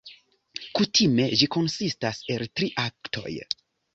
Kutime ĝi konsistas el tri aktoj.